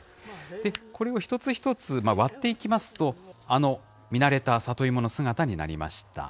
これを一つ一つ割っていきますと、あの見慣れた里芋の姿になりました。